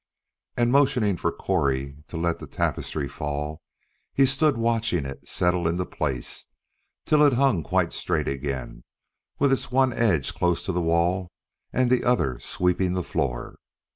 And motioning for Correy to let the tapestry fall, he stood watching it settle into place, till it hung quite straight again, with its one edge close to the wall and the other sweeping the floor.